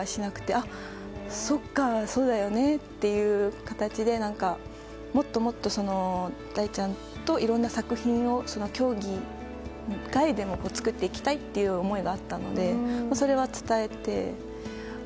あ、そっかそうだよねっていう形でもっともっと、大ちゃんといろんな作品を競技外でも作っていきたいという思いがあったのでそれは伝えて。